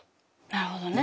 なるほどね。